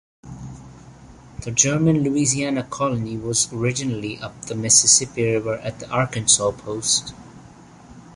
The German Louisiana colony was originally up the Mississippi River at the Arkansas Post.